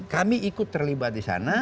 kami ikut terlibat disana